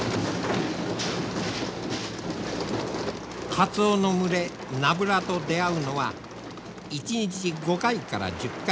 カツオの群れナブラと出会うのは１日５回から１０回。